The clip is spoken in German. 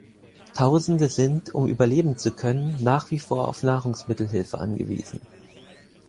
Tausende sind, um überleben zu können, nach wie vor auf Nahrungsmittelhilfe angewiesen.